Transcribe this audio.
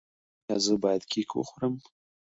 ایا زه باید کیک وخورم؟